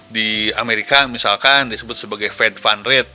di amerika misalkan disebut sebagai fed fund rate